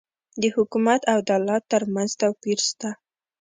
د حکومت او دولت ترمنځ توپیر سته